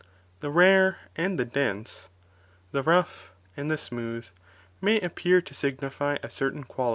The rave and the dense, rough and the smooth, may appear to signil'y a certain quali i.